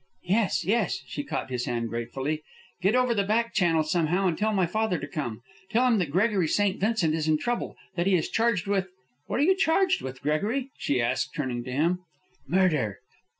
"Yes, yes." She caught his hand gratefully. "Get over the back channel somehow and tell my father to come. Tell him that Gregory St. Vincent is in trouble; that he is charged with What are you charged with, Gregory?" she asked, turning to him. "Murder."